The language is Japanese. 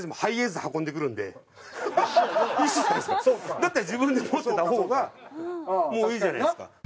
だったら自分で持ってた方がもういいじゃないですか。